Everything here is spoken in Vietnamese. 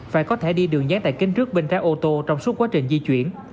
phải có thẻ đi đường nhán tại kênh trước bên trái ô tô trong suốt quá trình di chuyển